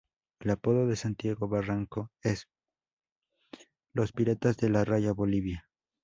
El apodo de Santiago Barranco es Los piratas de la Raya Bolivia.